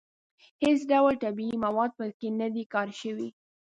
هېڅ ډول طبیعي مواد په کې نه دي کار شوي.